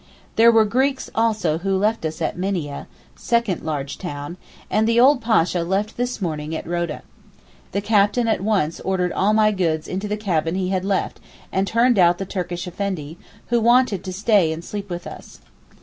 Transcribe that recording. There were Greeks also who left us at Minieh (second large town), and the old Pasha left this morning at Rodah. The captain at once ordered all my goods into the cabin he had left and turned out the Turkish Effendi, who wanted to stay and sleep with us.